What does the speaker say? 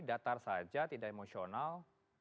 datar saja tidak emosional